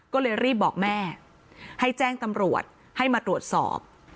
ก็เลยรีบบอกแม่ให้แจ้งตำรวจให้มาตรวจสอบ